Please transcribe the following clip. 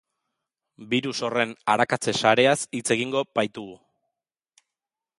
Birus horren arakatze sareaz hitz egingo baitugu.